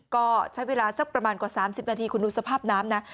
ก็ใช้เวลาสักประมาณกว่า๓๐นาทีคุณดูสภาพน้ำนะ